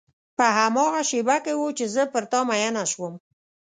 په هماغه شېبه کې و چې زه پر تا مینه شوم.